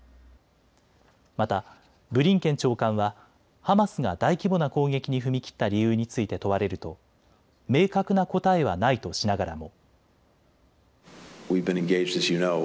またブリンケン長官はハマスが大規模な攻撃に踏み切った理由について問われると明確な答えはないとしながらも。